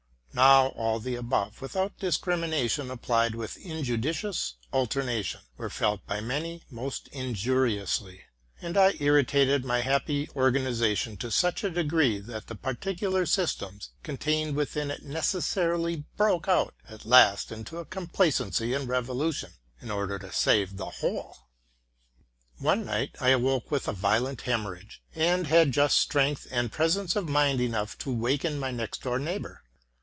Now, all the above, without discrimination, applied with injudicious alter nation, were felt by many most injuriously ; and I irritated my happy organization to such a degree, that the particular systems contained within it necessarily broke out at last into a conspiracy and revolution, in order to save the whole. One night I awoke with a violent hemorrhage, and had just strength and presence of mind enough to waken my next room neighbor.